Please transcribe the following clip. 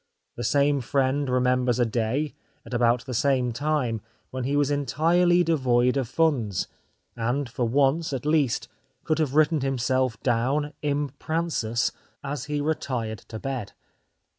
The same friend remembers a day, at about the 245 The Life of Oscar Wilde same time^ when he was entirely devoid of funds, and for once, at least, could have written himself down, impransus, as he retired to bed.